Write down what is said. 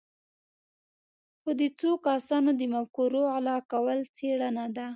خو د څو کسانو د مفکورو غلا کول څېړنه ده.